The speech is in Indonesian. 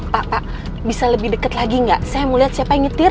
pak pak bisa lebih deket lagi gak saya mau liat siapa yang nyetir